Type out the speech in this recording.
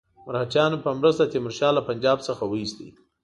مرهټیانو په مرسته تیمور شاه له پنجاب څخه وایست.